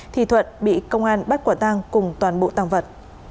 thì thuận bị công an bắt quả tang cùng toàn bộ tàng vật